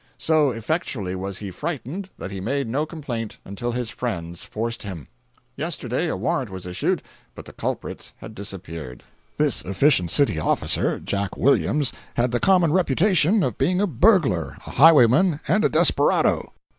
So effectually was he frightened that he made no complaint, until his friends forced him. Yesterday a warrant was issued, but the culprits had disappeared. This efficient city officer, Jack Williams, had the common reputation of being a burglar, a highwayman and a desperado.